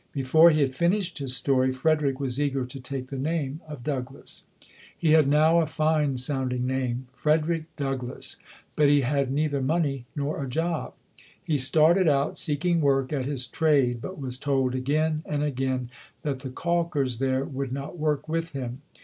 Before he had finished his story, Frederick was eager to take the name of Douglass. He had now a fine sounding name Frederick Douglass but he had neither money nor a job. He started out seeking work at his trade but was told again and again that the calkers there would not work with him.